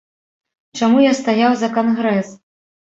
Чаму я стаяў за кангрэс?